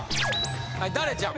はいダレちゃん。